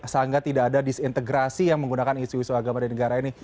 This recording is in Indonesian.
sehingga tidak ada disintegrasi yang menggunakan isu isu agama di negara ini